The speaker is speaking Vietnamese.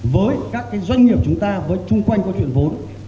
với các doanh nghiệp chúng ta với chung quanh của chúng ta